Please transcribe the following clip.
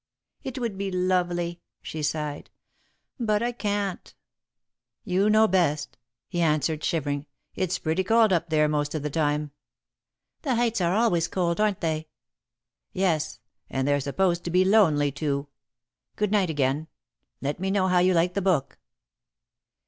"It would be lovely," she sighed, "but I can't." "You know best," he answered, shivering. "It's pretty cold up there most of the time." [Sidenote: Lonely Heights] "The heights are always cold, aren't they?" "Yes, and they're supposed to be lonely, too. Good night again. Let me know how you like the book."